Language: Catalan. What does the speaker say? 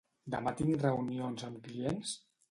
Demà tinc reunions amb clients?